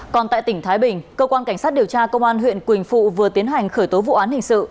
còn tại tỉnh thái bình cơ quan cảnh sát điều tra công an huyện quỳnh phụ vừa tiến hành khởi tố vụ án hình sự